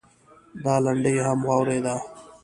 دا لنډۍ هم واورېده.